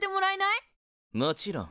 もちろん。